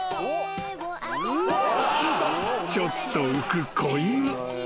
［ちょっと浮く子犬］